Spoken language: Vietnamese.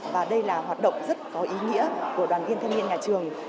và đây là hoạt động rất có ý nghĩa của đoàn viên thanh niên nhà trường